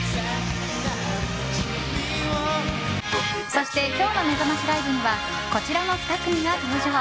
そして、今日のめざましライブにはこちらの２組が登場！